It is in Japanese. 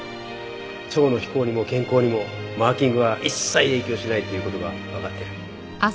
蝶の飛行にも健康にもマーキングは一切影響しないっていう事がわかってる。